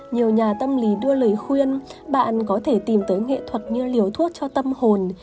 nhiều nhà tâm lý đưa lời khuyên bạn có thể tìm tới nghệ thuật như liều thuốc cho tâm hồn